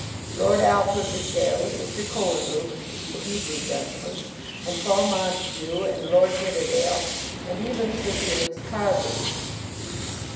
Lord Alfred was there, with Mr. Cohenlupe, the Hebrew gentleman, and Paul Montague, and Lord Nidderdale, and even Sir Felix Carbury.